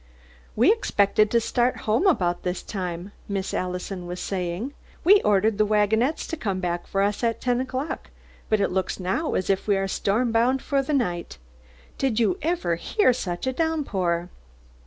"We expected to start home about this time," Miss Allison was saying. "We ordered the wagonettes to come back for us at ten o'clock, but it looks now as if we are storm bound for the night. Did you ever hear such a downpour?"